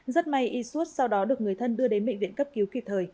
rất may isud sau đó được người thân đưa đến bệnh viện cấp cứu kịp thời